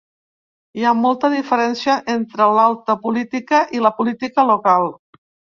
Hi ha molta diferència entre l'alta política i la política local.